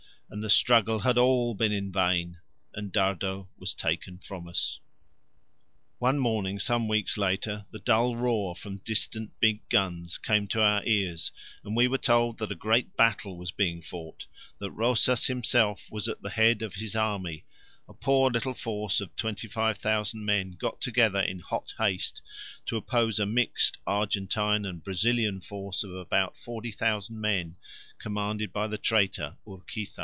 And the struggle had all been in vain, and Dardo was taken from us. One morning, some weeks later, the dull roar from distant big guns came to our ears, and we were told that a great battle was being fought, that Rosas himself was at the head of his army a poor little force of 25,000 men got together in hot haste to oppose a mixed Argentine and Brazilian force of about 40,000 men commanded by the traitor Urquiza.